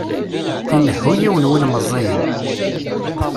Inehhu yiwen win meẓẓiyen.